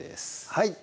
はい